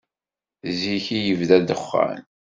Zik i yebda ddexxan.